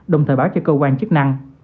đồng thời báo cho cơ quan chức năng